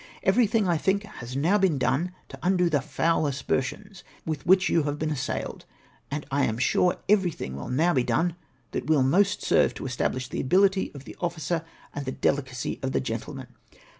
Everything, I think, has now been done to undo the foul aspersions with which you have been assailed, and I am sure everything will be now done that will most serve to establish the ability of the officer and the delicacy of the gentleman.